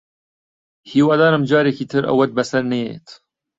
هیوادارم جارێکی تر ئەوەت بەسەر نەیەت